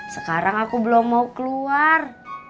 sekarang aku belum mau keluar